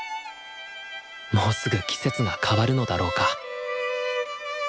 もうすぐ季節が変わるのだろうか？